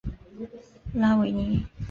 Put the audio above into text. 拉维尼。